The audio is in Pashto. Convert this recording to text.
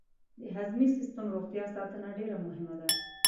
د هضمي سیستم روغتیا ساتنه ډېره مهمه ده.